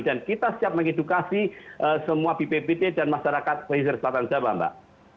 dan kita siap mengedukasi semua bpbt dan masyarakat di selatan sabah mbak